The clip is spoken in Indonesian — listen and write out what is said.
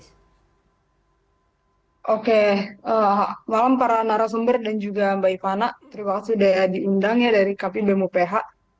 selamat malam para narasumber dan juga mbak ivana terima kasih sudah diundang ya dari kpb muph